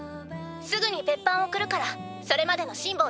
すぐに別班を送るからそれまでの辛抱よ。